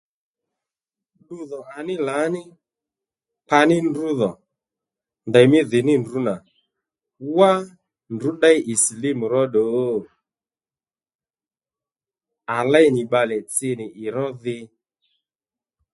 Ddudhò à ní lǎní kpaní ndrǔ dhò ndèymí dhì ní ndrǔ nà wá ndrǔ ddéy ì silímù róddù? À léy nì bbalè tsi nì ì ró dhi